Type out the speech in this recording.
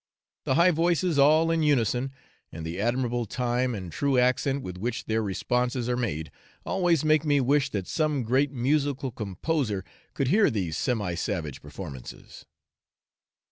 The high voices all in unison, and the admirable time and true accent with which their responses are made, always make me wish that some great musical composer could hear these semi savage performances.